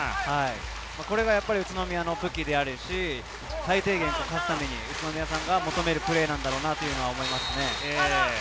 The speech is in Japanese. これが宇都宮の武器であり、最低限勝つべき宇都宮さんが求めるプレーだと思います。